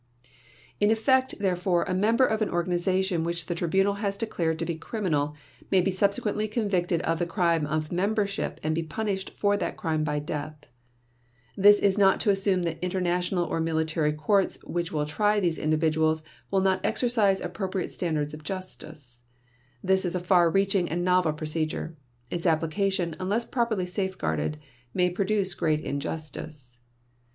In effect, therefore, a member of an organization which the Tribunal has declared to be criminal may be subsequently convicted of the crime of membership and be punished for that crime by death. This is not to assume that international or military courts which will try these individuals will not exercise appropriate standards of justice. This is a far reaching and novel procedure. Its application, unless properly safeguarded, may produce great injustice.